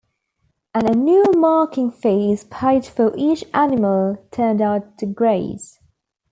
An annual marking fee is paid for each animal turned out to graze.